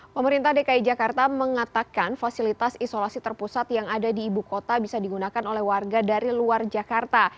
pemerintah dki jakarta mengatakan fasilitas isolasi terpusat yang ada di ibu kota bisa digunakan oleh warga dari luar jakarta